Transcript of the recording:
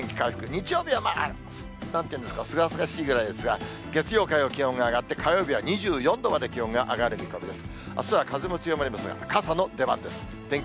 日曜日は、なんていうんですか、すがすがしいぐらいですが、月曜、火曜、気温が上がって、火曜日は２４度まで気温が上がる見込みです。